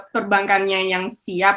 perbankannya yang siap